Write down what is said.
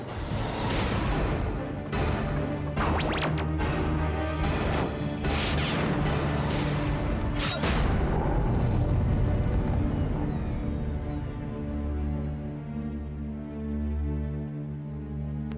lengsi bawa ini